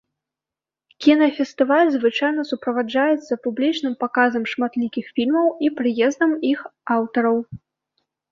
Кінафестываль звычайна суправаджаецца публічным паказам шматлікіх фільмаў і прыездам іх аўтараў.